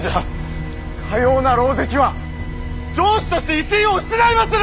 かような狼藉は城主として威信を失いまする！